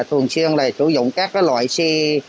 thường xuyên là sử dụng các loại xe